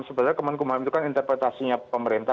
sebenarnya kemenkumham itu kan interpretasinya pemerintah